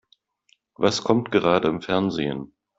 Was kommt gerade im Fernsehen?